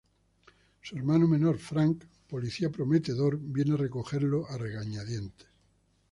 Su hermano menor Frank, policía prometedor, viene a recogerlo a regañadientes.